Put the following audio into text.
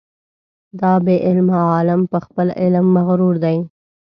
دا بې علمه عالم په خپل علم مغرور دی.